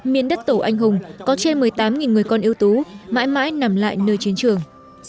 miền đất tổ anh hùng có trên một mươi tám người con yêu tú mãi mãi nằm lại nơi chiến trường